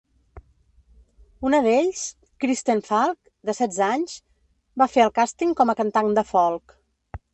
Una d'ells, Kirsten Falke, de setze anys, va fer el càsting com a cantant de folk.